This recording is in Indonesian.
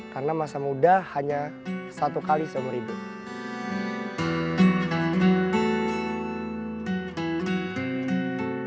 karena masa muda hanya satu kali seumur hidup